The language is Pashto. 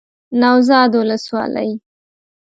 نوزاد ولسوالۍ